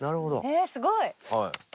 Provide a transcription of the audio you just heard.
えっすごい！